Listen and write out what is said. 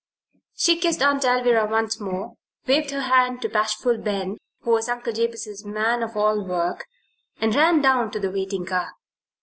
She kissed Aunt Alvirah once more, waved her hand to bashful Ben, who was Uncle Jabez's man of all work, and ran down to the waiting car.